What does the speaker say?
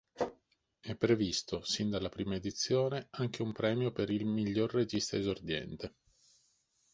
È previsto sin dalla prima edizione anche un premio per il "Miglior Regista esordiente".